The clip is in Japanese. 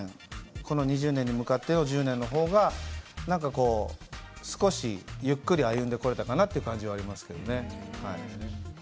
この２０年に向かっての１０年の方が少しゆっくり歩んでこられたかなという感じはありますね。